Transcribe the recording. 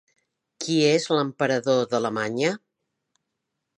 Qui és l'emperador d'Alemanya?